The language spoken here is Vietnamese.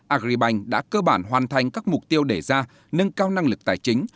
agribank đã cơ bản hoàn thành các mục tiêu để ra nâng cao năng lực tài chính